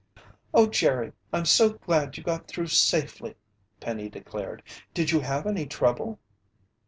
"Oh, Jerry! I'm so glad you got through safely!" Penny declared. "Did you have any trouble?"